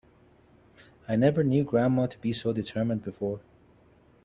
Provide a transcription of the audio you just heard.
I never knew grandma to be so determined before.